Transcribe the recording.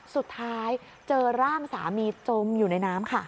สุดท้ายเจอร่ามสามีจมอยู่ในน้ำค่ะ